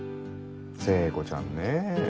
聖子ちゃんねぇ。